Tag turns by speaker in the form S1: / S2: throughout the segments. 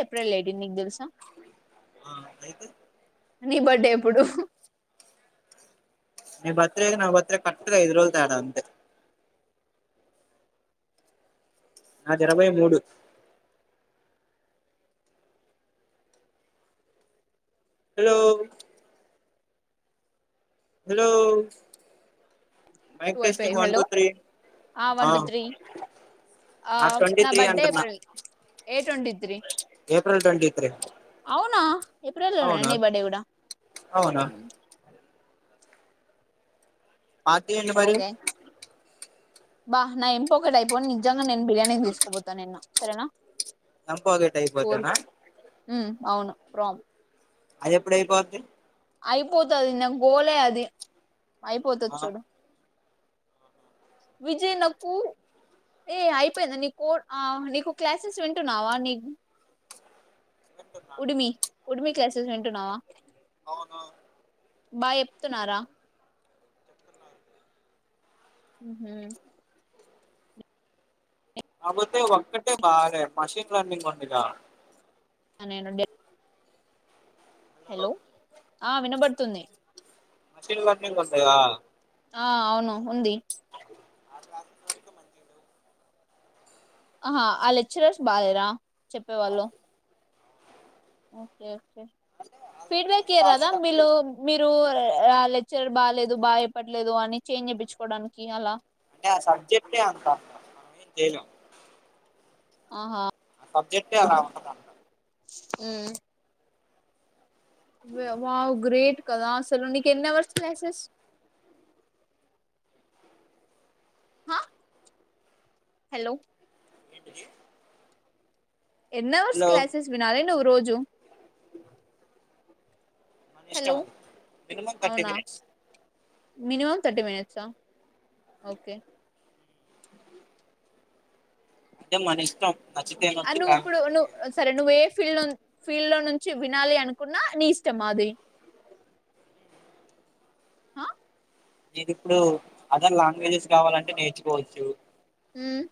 S1: April ఎ eighteen నీక్ తెల్సా
S2: ఆ అయితే
S1: నీ బర్డే ఎప్పుడు
S2: న బర్త్రే నా బర్త్రే కరెక్టుగా ఐదు రోజ తేడా అంతే నాది ఇరవై మూడు హలో హలో
S1: టూ
S2: మైక్
S1: అయిపోయాయి
S2: testing one
S1: hello
S2: two three
S1: ఆ వన్ టూ త్రీ ఆ
S2: నాకు ట్వంటీ
S1: నా
S2: త్రీ
S1: బర్త్డే
S2: అంటున్నా
S1: ఏప్రిల్ ఏ twenty three
S2: April twenty three
S1: అవునా ఏప్రిల్ లోనేనా
S2: అవునా
S1: నీ బర్డే కూడా
S2: అవునా పార్టీ ఏంటి మరి
S1: అబ్బా నా ఎంప్ ఒకటి అయిపోను నిజంగా నేను బిర్యానీ తీసుకోపోతా నిన్ను సరేనా
S2: చంపోతే టైపోతేనా
S1: కోరుకు ఉమ్ అవును ప్రాం
S2: అది ఎప్పుడయిపోద్ది
S1: అయిపోతది నా గోలే అది. అయిపోతది
S2: ఆ
S1: చూడు. విజయ్ నాకు, ఏ అయిపోయింది నీ కోడ్ నీకు ఆ నీకు క్లాసెస్ వింటున్నావా నీ
S2: వింటున్నా.
S1: ఉడిమి ఉడిమి క్లాసెస్ వింటున్నావా?
S2: అవును
S1: బా చెప్తున్నారా? ఉమ్
S2: కాతే ఒక్కటే బాగా మషిన్ లర్నింగ్ ఉందిగా
S1: నేను డే హలో ఆ వినబడుతుంది.
S2: మిషన్ లర్నింగ్ వస్తదా?
S1: ఆ అవును ఉంది.
S2: ఆ క్లాస్ వరకు మంచిడు
S1: ఆహా ఆ లెక్చరర్స్ బాలేరా చెప్పేవాళ్ళు ఓకే
S2: ఆ
S1: ఫీడ్బ్యాక్
S2: లెక్చరర్స్
S1: ఏ రాదా మీలో
S2: బాలేదంటే
S1: మీరు రాలే చర్ బాలేదు, బా చెప్పట్లేదు అని చేంజ్ చెప్పించుకోవడానికి అలా
S2: అంటే ఆ సబ్జెక్టే అంత ఏం చేయలేం.
S1: ఆహా
S2: ఆ సబ్జెక్టే అలా ఉంటదంట.
S1: ఉమ్ వ్యా వావ్ గ్రేట్ కదా అసలు నీకెన్ని అవర్సు క్లాసెస్ హ హలో
S2: ఏంటిది
S1: ఎన్వర్స్ క్లాసెస్ వినాలే ను రోజు టు
S2: మన ఇష్టం అది మినిమం థర్టీ
S1: అవునా
S2: మినిట్స్
S1: మినిమం థర్టీ మినిట్స్ ఆ
S2: అదే మనిష్టం
S1: ఆ నువ్వు ఇప్పుడు నువ్వు సరే నువ్వే ఫీల్డ్ నుం ఫీల్డ్ లో నుంచి వినాలి అనుకున్నా, నీ ఇష్టమా అది.
S2: నేది ఇప్పుడు అదర్ లాంగ్వేజెస్ కావాలంటే నేర్చుకోవచ్చు.
S1: ఉమ్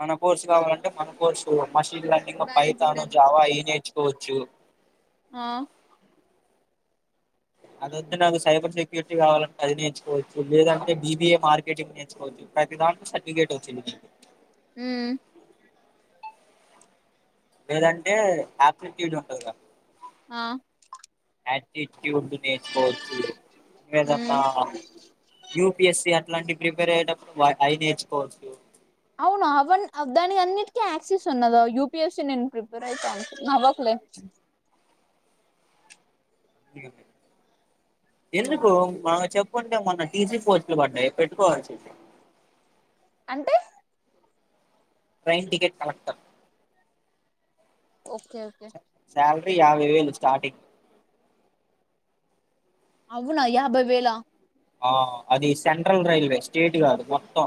S2: మన కోర్సు కావాలంటే మన కోర్సు మెషిన్ లెర్నింగు,
S1: బ్యాలెన్స్
S2: పైతాను,
S1: కూడా
S2: జావా అయి నేర్చుకోవచ్చు.
S1: ఆ
S2: అది వద్దు నాకు సైబర్ సెక్యూరిటీ కావాలంటే అది నేర్చుకోచ్చు, లేదంటే బిబిఏ మార్కెటింగ్ నేర్చువచ్చు, ప్రతి దాంట్లో సర్టిఫికేట్ వచ్చిద్ది. లేదంటే ఆప్ట్యూడ్ ఉంటది కదా
S1: ఆ
S2: ఆంటీ డ్దు నేర్చుకోవచ్చు ఏదన్నా
S1: ఉ
S2: యూపిఎస్సి అంట ఇట్లాంటి ప్రిపేర్ అయ్యటప్పుడు అవి నేర్చుకోవచ్చు
S1: అవును అవ దాని అన్నిటికీ యాక్సెస్ ఉన్నద యూపీఎస్ నేను ప్రిపేర్ అయి
S2: ఇక ఎందుకు మా చె కుంటే మొన్న టీసీ పోస్టులు పడ్డాయి పెట్టుకోవాల్సినది
S1: అంటే
S2: train ticket collector
S1: okay okay
S2: salary యాభై వేలు స్టార్టింగ్
S1: అవునా యాభై వేళ
S2: ఆ అది సెంట్రల్ రైల్వే స్టేట్ కాదు మొత్తం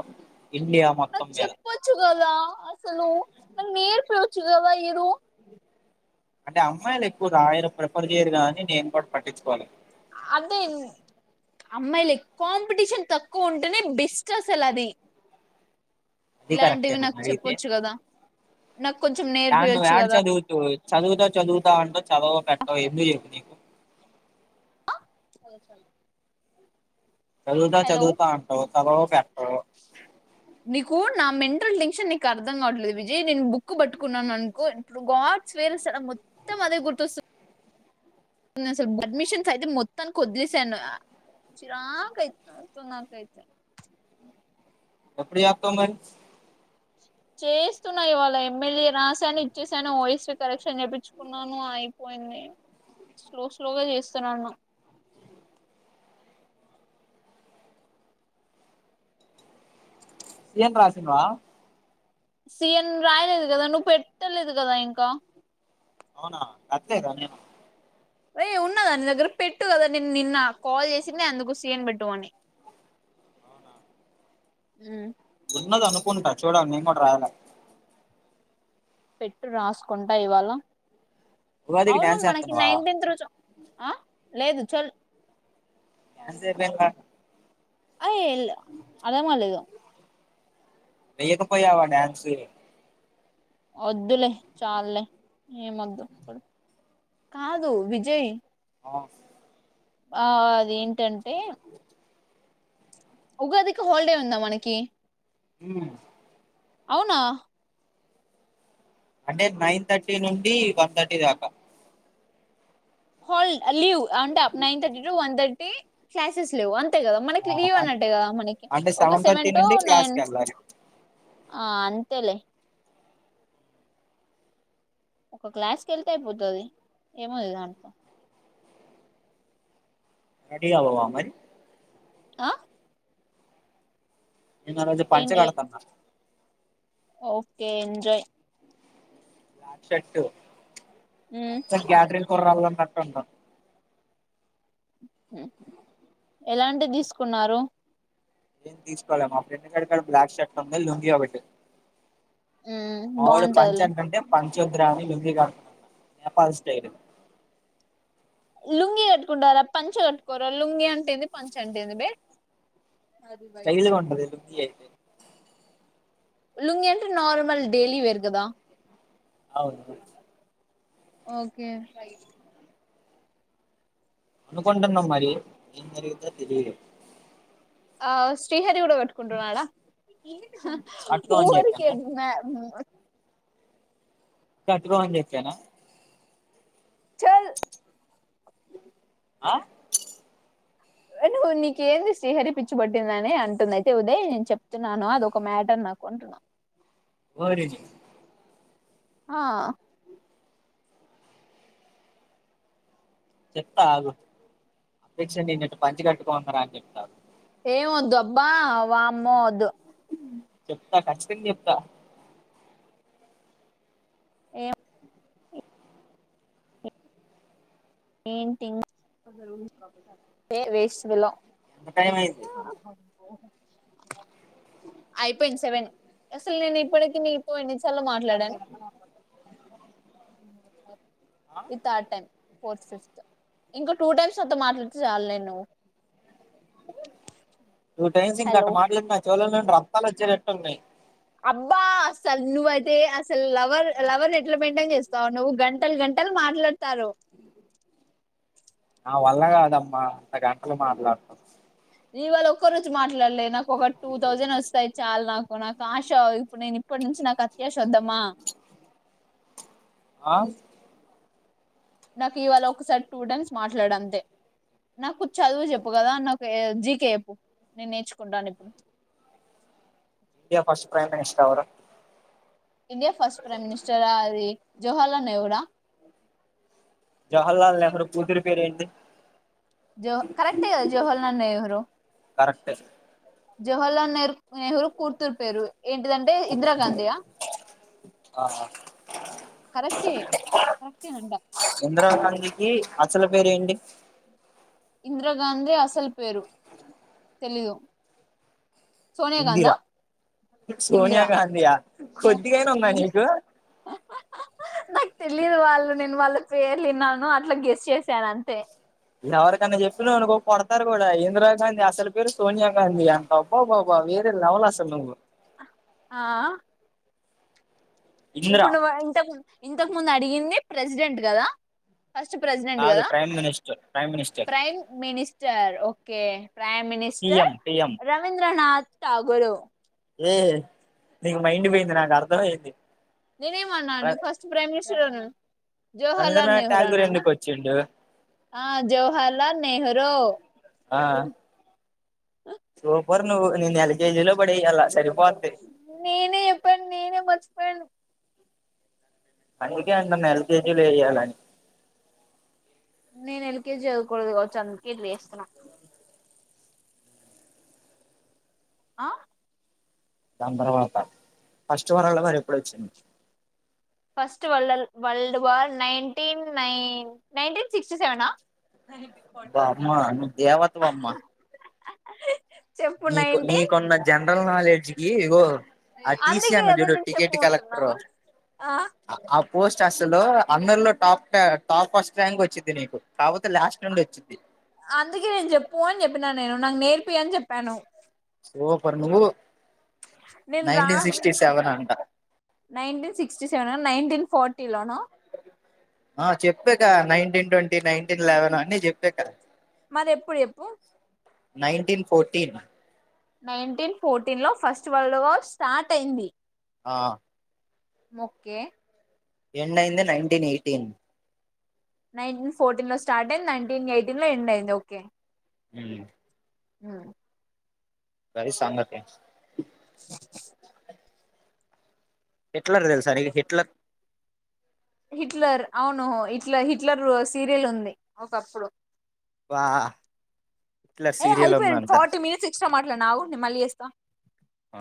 S2: ఇండియా మొత్తం
S1: నాకు
S2: మీద
S1: చెప్పొచ్చు కదా అసలు మరి నేర్పియచు కదా ఇరు
S2: అంటే అమ్మాయిలు ఎక్కువ రాయ ప్రిఫర్ చేయరు కదనేను కూడా పట్టించుకోను
S1: అదే అమ్మాయిలు కాంపిటీషన్ తక్కువ ఉంటేనే బెస్ట్ అసలు అది
S2: అది
S1: ఇలాంటివి నాకు చెప్పొచ్చు కదా నాకు కొంచెం
S2: ఎ
S1: నేర్పియొచ్చు
S2: ఎడ్
S1: కదా
S2: చదువుతు చదువుతా చదువుతా అంట చదవ పెట్ట ఎందు చెకు నీకు
S1: సర సర
S2: చదువుతా చదువుతా అంటావు చదవరూ పెట్టావు
S1: ఇ టెన్క్షన్ నీకు అర్థం కావట్లేదు విజయ్ నేను బుక్ పట్టుకున్నాను అనుకో ఇప్పుడు గాడ్స్ వేర మొత్తం అదే గుర్తొస్తుంది అడ్మిషన్ యితే మొత్తానికి వద్లి సను చిరాకై నాకైతే
S2: ఎప్పుడు చేస్తావు మరి
S1: చేస్తున్నాయి ఇవాళ ఎమ్మెల్యే రాశాను ఇచ్చేసాను ఓఎస్పీ కరెక్షన్ చేయిించుకున్నాను అయిపోయింది స్లో స్లోగా చేస్తున్నాను
S2: సియన్ రాస్తున్నావా
S1: సీఎన్ రాయలేదు కదా నువ్వు పెట్టలేదు కదా ఇంకా
S2: అవునా అంతే కదే
S1: అయ ఉన్నదా ని దగ్గర పెట్టు కదా నేను నిన్న కాల్ చేసి నే అందుకు సీయన్ పెట్టమని
S2: ఉన్నది అనుకోంట చూడలీ నేను కూడా రాయాల
S1: పెట్టు రాసుకుంటా ఇవాళ
S2: ఉగాదికి
S1: అవును
S2: డ్యాన్స్
S1: మనకి
S2: వేస్తున్నావా
S1: నైన్టీెన్త్ రోజు ఆ లేదు చల్
S2: ఎంతసేపు అయింది
S1: అయ ఎల్ అదే మా లేదు
S2: వేయకపోయావా డ్యాన్సు
S1: వద్దులే చాలులే ఏం వద్దు కాదు విజయ్
S2: ఆఫ్
S1: ఆ అది ఏంటంటే ఉగాదికి హాలిడే ఉందా మనకి
S2: ఉం
S1: అవునా
S2: అంటే నైన్ థర్టీ నుండి వన్ థర్టీ దాకా
S1: హల్ ఆ లీవ్ అంట nine thirty to one thirty classes లేవు అన్ అంతే కదా
S2: ఆ,
S1: మనకి లీవ్
S2: అన్-
S1: అన్నట్టే కదా మనకి
S2: అంటే
S1: ఒక
S2: థర్టీ
S1: సెవెన్ టు
S2: నుండి
S1: నైన్
S2: క్లాస్కి వెళ్ళాలి
S1: ఆ అంతేలే ఒక క్లాస్కి వెళ్తే అయిపోతుంది ఏముంది దాంట్లో
S2: రెడీ అవ్వవా మరి
S1: ఆ
S2: నేను ఆరోజు పంచ
S1: ఏంటి
S2: కడతాన్న
S1: ఓకే ఎంజాయ్
S2: బ్లాక్ షర్ట్
S1: ఉం
S2: కుర్రాళ్ళు ఉన్నట్టుంటాం
S1: ఎలాంటిది తీసుకున్నారు
S2: ఏం తీసుకోవాలే మా ఫ్రెండ్గాడి కాడ బ్లాక్ షర్ట్ ఉంది లుంగీ ఒకటి మావోడు పంచ
S1: బాగుంటదిలే
S2: అంటుంటే పం జియోగ్రఫీ ఉందిగా నేపాల్ స్టైల్
S1: లుంగి కట్టుకుంటారా పంచ కట్టుకోర లుంగి అంటేంది పంచ అంటేంది బే అది వైట్
S2: స్టైలుగా
S1: ఉంటది
S2: ఉంటదు లుక్కీ అయితే
S1: లుంగి అంటే నార్మల్ డెయిలీ వేరు కదా అ స
S2: అవును
S1: [unintelligible] ఓకే ఫై
S2: అనుకుంటున్నాం మరి ఏది జరిగిందో తెలిదు
S1: ఆ శ్రీహ కూడా కట్టుకుంటున్నాడా ఏ
S2: కట్టుకోమని
S1: ఊరికే
S2: చెప్పానా
S1: మ్యా
S2: కట్టుకో అనీ చెప్పానా
S1: చెల్
S2: ఆ
S1: నువ్వు నీకేంది శ్రీహరి పిచ్చి పట్టిందని అంటుంది అంటే ఉదయ్ నేను చెప్తున్నాను అదొక మ్యాటర్ నాకు అంటున్నా
S2: ఓవరేషి
S1: ఆ
S2: చెప్తా ఆగు దీక్ష నిన్నిట్ట పంచ కట్టుకోమందిర అని చెప్తా
S1: ఏం వద్దబ్బా వామ్మో వద్దు
S2: చెప్తా కఖచ్చితంగా చెప్తా
S1: ఏం పెయింగ్ వేస్ ఫెలో
S2: టైం అయింది
S1: అ అయిపోయింది సెవెన్ అసలు నేను ఇప్పటికి నీకు ఎన్నిసార్లు మాట్లాడడం మాట్లాడం [unintelligible]
S2: ఆ
S1: ఈతాటన్ ఫోర్త్ ఫిఫ్త్ ఇంకో టూ టైమ్స్ నాతో మాట్లాడితే చయాలి నేను
S2: నువ టైమ్ సింగ్
S1: హలో
S2: కట్లే నా చెవిలోన రతాలచ్చక్టన్నాయి
S1: అబ్బా అసలు నువ్వయితే అసలు లవర్ లవర్ ఎట్లా మెయింటైన్ చేస్తావు నువ్వు గంటలు గంటలు మాట్లాడతారు
S2: ఆ వల్లగాదమ్మా అంత గంటలు మాట్లాడుతురు
S1: ఇవాళ ఒక్క రోజు మాట్లాడ నాకు ఒక టూ థౌజండ్ వస్తాయి చాలా నాకు ఆశా ఇప్పుడు నేను ఇప్పడు నుంచి నాకు అత్య వద్దమ్మా
S2: ఆస్
S1: నాకు ఇవాళ ఒకసారి టూ టైమ్స్ మాట్లాడ అంతే నాకు చదువు చెప్పు కదా అ నాకు జీకే చెప్పు నేను నేర్చుకుంటాను ఇప్పుడు
S2: ఇండియా ఫస్ట్ ప్రైమ్ మినిస్టర్ ఎవరు
S1: ఇండియా ఫస్ట్ ప్రైమ్ మినిస్టర్ ఆది జవహర్లాల్ నెహ్రూ
S2: జవహర్లాల్ నెహ్రూ కూతురి పేరు ఏంటి
S1: జోహ కరెక్ట్ కదా జవహర్లాల్ నెహ్రూ
S2: కరెక్ట్
S1: జవహర్లాల్ నెహ్రూ నెహ్రూ కూర్తురు పేరు ఏంటిదంటే ఇందిరాగాంధీయా
S2: ఆ
S1: కరెక్టే కరెక్టేనంట
S2: అసల పేరేంటి
S1: ఇందిరాగాంధీ అసలు పేరు తెలీదు సోనియా గాంధా
S2: ఇందిరా
S1: ఇందిరా
S2: సోనియాగాధయా కొద్దిగానా ఉందా
S1: నేను
S2: నీకు
S1: నాకు తెలియదు వాళ్ళు నేను వాళ్ళ పేర్లు విన్నాను అట్లా గెస్ చేసాను అంతే
S2: ఎవరికైన్నా చెప్పిన అనుకో కుడుతారు కూడా ఇందిరాగాంధీ అసలు పేరు సోనియా గాంధీ అంత అబ్బా బాబా వేరే లెవలు అసలు నువ్వు
S1: ఆ
S2: ఇందిరా
S1: ఇప్పుడు నువ్ ఇంత ఇంతకు ముందు అడిగింది ప్రెసిడెంట్ కదా ఫస్ట్ ప్రెసిడెంట్
S2: కాదు
S1: కదా
S2: prime minister prime minister
S1: prime minister okay prime minister
S2: PM PM
S1: Rabindranath Tagore
S2: ఏ నీకు మైండు పోయింది నాకు అర్థం అయింది
S1: నేనేమ అన్నాను ఫస్ట్ ప్రైమ్ మినిస్టర్ అన్ జహర్లాల్
S2: రవీంద్రనాథ్
S1: నెహ్రు
S2: ఠాగూర్
S1: అనానా
S2: ఎందుకు వచ్చిండు
S1: ఆ జహర్లాల్ నెహ్రు రో
S2: ఆ సోప్ సరిపోద్ది
S1: నేనే చెప్పను మీరే మర్చిపోయిండ్రు
S2: అందుకే అంటన ఎల్కేజీలో ఎయ్యాలని
S1: నేను ఎల్కేజీ చదకూడదు కావచ్చు అందుకే ఇట్ల ఏస్తున్న అ
S2: తొందరగోత్త ఫస్ట్ వరాల కూడా ఇప్పుడే వచ్చిండు
S1: స్ట్ వల్డల్ world war nineteen nine nineteen sixty సెవెనా
S2: బమ్మా ను దేవత వమ్మా
S1: అహ్
S2: నీకు నీకున్న జనరల్ నాలెడ్జ్ కి బ్రో ఆ టీసి
S1: అందుకే
S2: వున్నాడు
S1: కదా
S2: జూడు
S1: నేను
S2: టికెట్
S1: చెప్పమంటున్నా
S2: కలెక్టర్
S1: ఆ
S2: అ ఆప్ పోస్ట్ అసలు అందరిలో టప్ టాప్ ఫస్ట్ ర్యాంక్ వచ్చింది నీకు కాకపోతే లాస్ట్ నుండి వచ్చింది
S1: అందుకే నేను చెప్పు అని చెప్పినాను నేను నాకు నేర్పి అని చెప్పాను
S2: సూపర్ నువ్వు
S1: ప్చ్ నేను రా
S2: నైన్టీన్
S1: ఉ
S2: సిక్స్టీ
S1: చెప్పు
S2: సెవెన్ అంట
S1: nineteen sixty seven nineteen forty టిలానా
S2: ఆ చెప్పిక నైన్టీన్ ట్వంటీ నైన్టీన్ లెవెన్ అన్నీ చెప్ ఇక్కడ
S1: మరి ఎప్పుడు చెప్పు
S2: నైన్టీన్ ఫోర్టీన్
S1: నైన్టీన్ ఫోర్టీన్ లో ఫస్ట్ వరల్డ్ వార్ స్టార్ట్ అయింది
S2: ఆ
S1: మొక్కే
S2: ఏండ్ ఐంది నైన్టీన్ ఎయిటీన్
S1: నైన్టీన్ ఫోర్టీన్ లో స్టార్ట్ అయింది నైన్టీన్ ఎయిటీన్ లో ఎండ్ అయింది ఓకే
S2: ఊ
S1: ఊ
S2: గది సంగతి హిట్లర్ తెల్సా నీకు హిట్లర్
S1: హిట్లర్ అవును హిట్లర్ హిట్లర్ సీరియల్ ఉంది ఒకప్పుడు
S2: వా హిట్లర్
S1: ఏ
S2: సీరియల్
S1: హైపోయింది
S2: ఉందంట
S1: ఫార్టీ మినిట్స్ ఎక్స్ట్రా మాట్లాడిన ఆగు నేను మళ్ళీ చేస్తా
S2: ఆ